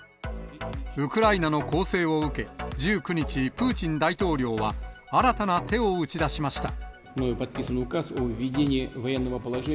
ウクライナの攻勢を受け、１９日、プーチン大統領は新たな手を打ち出しました。